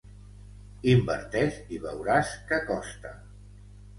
Inverteix i veuràs que costa.